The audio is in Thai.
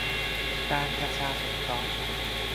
การประชาสงเคราะห์